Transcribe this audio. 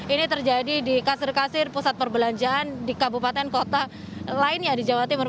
ini terjadi di kasir kasir pusat perbelanjaan di kabupaten kota lainnya di jawa timur